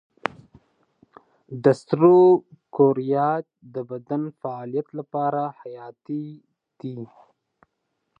سرو کرویات د بدن د فعالیت لپاره حیاتي دي.